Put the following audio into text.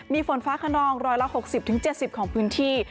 มีฝนฟ้าขนอง๑๖๐๗๐ของพื้นที่